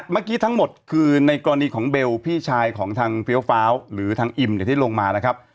เมื่อกี้ทั้งหมดคือในกรณีของเบลพี่ชายของทางเฟี้ยวฟ้าวหรือทางอิมที่ลงมานะครับ